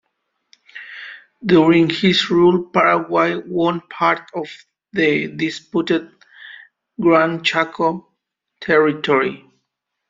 During his rule Paraguay won part of the disputed Gran Chaco territory.